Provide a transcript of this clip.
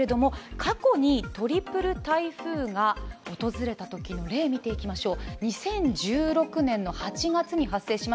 過去のトリプル台風が訪れたときの例を見てみましょう。